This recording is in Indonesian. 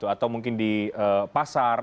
atau mungkin di pasar